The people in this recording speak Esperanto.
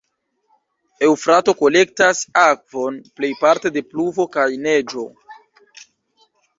Eŭfrato kolektas akvon plejparte de pluvo kaj neĝo.